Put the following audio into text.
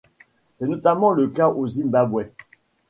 C'est notamment le cas au Zimbabwe.